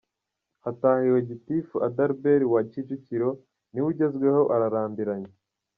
Hatahiwe Gitifu Adalbert wa Kicukiro niwe ugezweho ararambiranye.